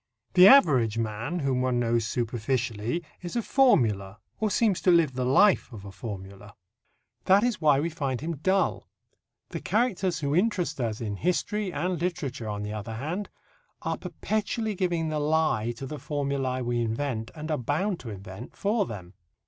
The average man, whom one knows superficially, is a formula, or seems to live the life of a formula. That is why we find him dull. The characters who interest us in history and literature, on the other hand, are perpetually giving the lie to the formulae we invent, and are bound to invent, for them.